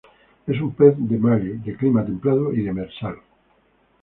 Es un pez de mary, de clima templado y demersal.